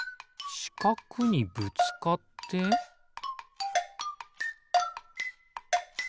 しかくにぶつかってピッ！